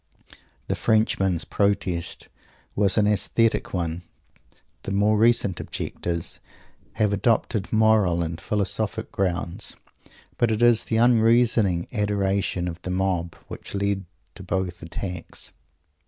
The Frenchman's protest was an aesthetic one. The more recent objectors have adopted moral and philosophic grounds. But it is the unreasoning adoration of the mob which led to both attacks.